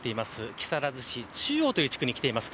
木更津市中央地区に来ています。